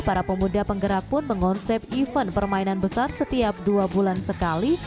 para pemuda penggerak pun mengonsep event permainan besar setiap dua bulan sekali